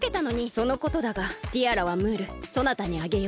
そのことだがティアラはムールそなたにあげよう。